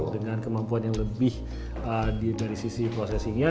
dengan kemampuan yang lebih dari sisi prosesinya